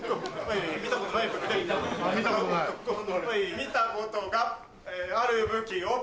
見たことがある武器を